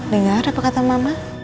dengar apa kata mama